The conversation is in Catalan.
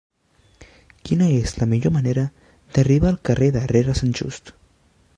Quina és la millor manera d'arribar al carrer de Rere Sant Just?